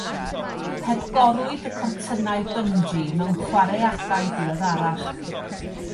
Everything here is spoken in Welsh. Hepgorwyd y cortynnau bynji mewn chwaraeadau diweddarach.